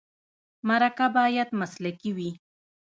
مرکه باید مسلکي وي.